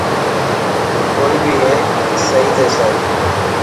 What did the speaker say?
ڪوئي بي هيڪ سهي ٿيسي.